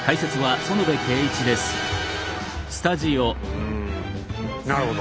うんなるほど。